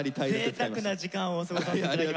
ぜいたくな時間を過ごさせて頂きました。